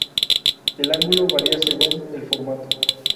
El ángulo varía según el formato.